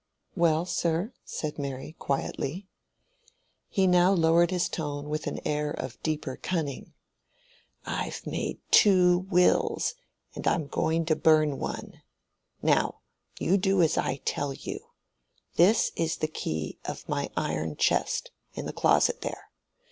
"Well, sir?" said Mary, quietly. He now lowered his tone with an air of deeper cunning. "I've made two wills, and I'm going to burn one. Now you do as I tell you. This is the key of my iron chest, in the closet there.